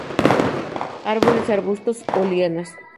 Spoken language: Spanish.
Árboles, arbustos o lianas.